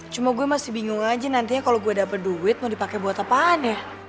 cuma gue masih bingung aja nantinya kalau gue dapet duit mau dipakai buat apaan ya